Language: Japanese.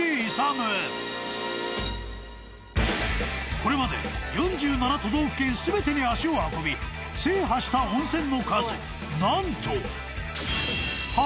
［これまで４７都道府県全てに足を運び制覇した温泉の数何と］